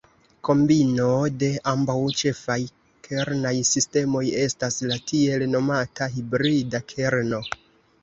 Kombino de ambaŭ ĉefaj kernaj sistemoj estas la tiel nomata "hibrida kerno".